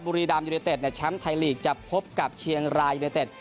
บุรีรามยูเนเต็ดแชมป์ไทยลีกจะพบกับเชียงรายยูเนเต็ด